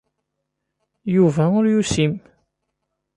Yuba ur yusim.